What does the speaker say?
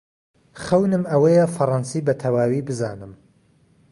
خەونم ئەوەیە فەڕەنسی بەتەواوی بزانم.